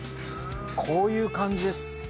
こういう感じです。